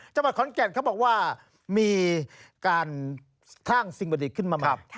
จังหวัดขอนแก่นเขาบอกว่ามีการสร้างสิ่งประดิษฐ์ขึ้นมาใหม่